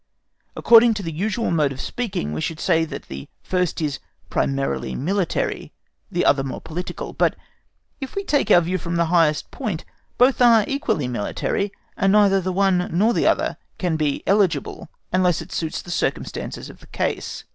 According to the usual mode of speaking, we should say that the first is primarily military, the other more political. But if we take our view from the highest point, both are equally military, and neither the one nor the other can be eligible unless it suits the circumstances of the case.